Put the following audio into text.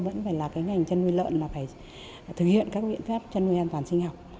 vẫn phải là ngành chăn nuôi lợn mà phải thực hiện các nguyện phép chăn nuôi an toàn sinh học